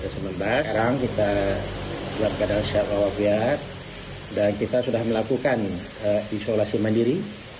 sekarang kita buatkan hasil wakil dan kita sudah melakukan isolasi mandiri